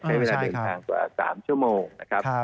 ใช้เวลาเดินทางกว่า๓ชั่วโมงนะครับ